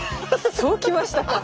そうきましたか。